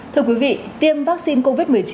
thưa quý vị tiêm vaccine covid một mươi chín